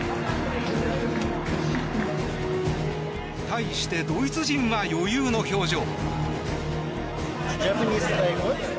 対してドイツ人は余裕の表情。